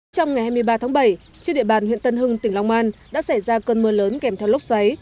trong ngày hai mươi ba tháng bảy trên địa bàn huyện tân hưng tỉnh long an đã xảy ra cơn mưa lớn kèm theo lốc xoáy